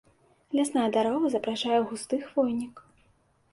Лясная дарога запрашае ў густы хвойнік.